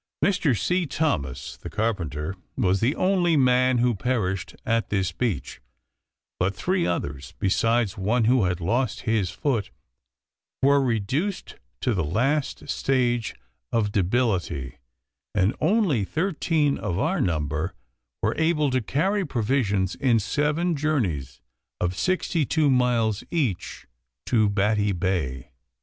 Mr. C. Thomas, the carpenter, was the only man who perished at this beach, but three others, besides one who had lost his foot, were reduced to the last stage of debility, and only thirteen of our number were able to carry provisions in seven journies of 62 miles each to Batty Bay.